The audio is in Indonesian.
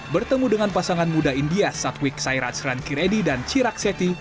bertemu dengan pasangan muda india satwik sairat srankireddy dan chirak seti